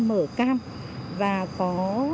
mở cam và có